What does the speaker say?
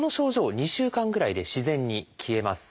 ２週間ぐらいで自然に消えます。